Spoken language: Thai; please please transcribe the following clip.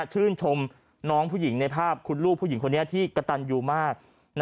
ชื่นชมน้องผู้หญิงในภาพคุณลูกผู้หญิงคนนี้ที่กระตันยูมาก